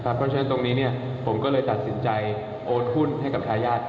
เพราะฉะนั้นตรงนี้ผมก็เลยตัดสินใจโอนหุ้นให้กับทายาท